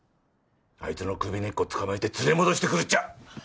あいつの首根っこつかまえて連れ戻してくるっちゃ！